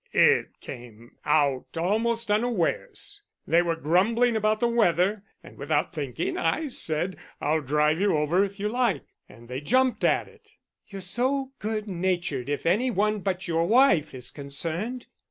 "It came out almost unawares. They were grumbling about the weather, and without thinking, I said, 'I'll drive you over if you like.' And they jumped at it." "You're so good natured if any one but your wife is concerned."